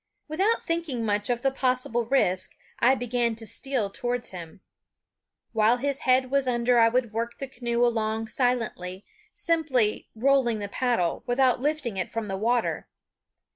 Without thinking much of the possible risk, I began to steal towards him. While his head was under I would work the canoe along silently, simply "rolling the paddle" without lifting it from the water.